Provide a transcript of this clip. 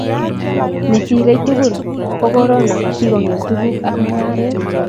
Nesirei tugul ko korona kikongem tuguk ak mungaret